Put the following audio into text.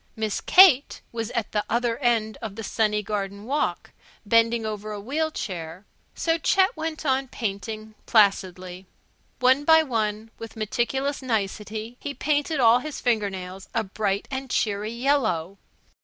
Miss Kate was at the other end of the sunny garden walk, bending over a wheel chair. So Chet went on painting, placidly. One by one, with meticulous nicety, he painted all his finger nails a bright and cheery yellow.